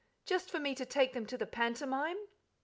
Just for me to take them to the pantomime?"